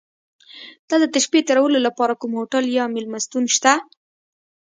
دلته د شپې تېرولو لپاره کوم هوټل یا میلمستون شته؟